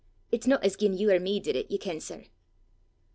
It's no as gien you or me did it, ye ken, sir!"